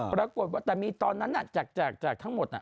ปรากฏว่าแต่มีตอนนั้นจากทั้งหมด